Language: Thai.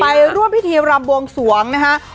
ไปร่วมวิทยาลัมป์วงสวงศ์นะคะ